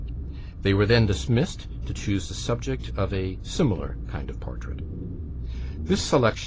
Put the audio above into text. They were then dismissed to choose the subject of a similar kind of portrait. This selection M.